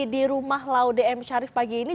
di rumah laude m sharif pagi ini